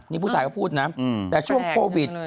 นี่ผู้ชายก็พูดนะแต่ช่วงโควิด